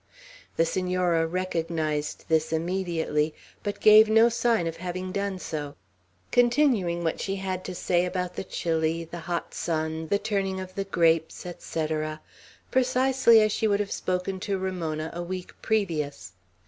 The Senora recognized this immediately, but gave no sign of having done so, continuing what she had to say about the chili, the hot sun, the turning of the grapes, etc., precisely as she would have spoken to Ramona a week previous.